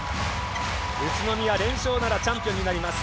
宇都宮連勝ならチャンピオンになります。